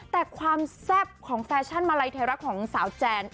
แต่ความแซ่บของแฟชั่นมาลัยไทยรัฐของสาวแจน